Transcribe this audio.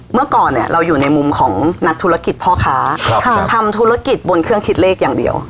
เมื่อก่อนเนี่ยเราอยู่ในมุมของนักธุรกิจพ่อค้าทำธุรกิจบนเครื่องคิดเลขอย่างเดียว